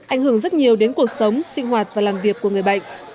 ảnh hưởng rất nhiều đến cuộc sống sinh hoạt và làm việc của người bệnh